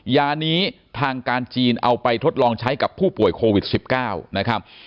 ยานี้ทางการจีนเอาไปทดลองใช้กับผู้ป่วยโควิด๑๙นะครับ